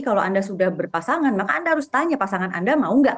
kalau anda sudah berpasangan maka anda harus tanya pasangan anda mau nggak